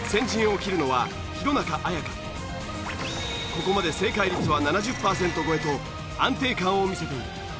ここまで正解率は７０パーセント超えと安定感を見せている。